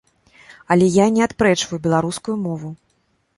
Але я не адпрэчваю беларускую мову.